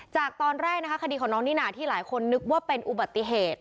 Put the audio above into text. จากตอนแรกนะคะคดีของน้องนิน่าที่หลายคนนึกว่าเป็นอุบัติเหตุ